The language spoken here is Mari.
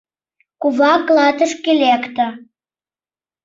Кува клатышке лекте.